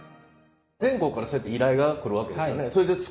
全国からそうやって依頼が来るわけですよね。